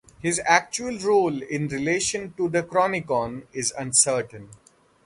His actual role in relation to the Chronicon is uncertain.